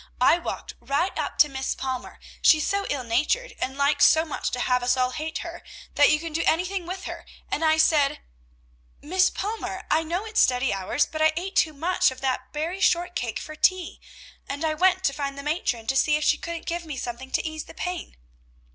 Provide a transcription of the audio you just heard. "I walked right up to Miss Palmer, she's so ill natured, and likes so much to have us all hate her, that you can do anything with her, and I said, "'Miss Palmer! I know it's study hours, but I ate too much of that berry shortcake for tea, and I went to find the matron, to see if she couldn't give me something to ease the pain.'